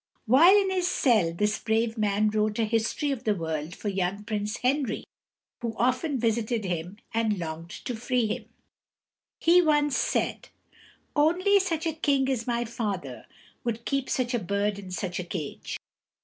While in his cell this brave man wrote a history of the world for young Prince Henry, who often visited him, and longed to free him. He once said: "Only such a king as my father would keep such a bird in such a cage."